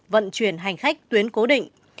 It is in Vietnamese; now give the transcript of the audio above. vận chuyển hành khách tuyến cố định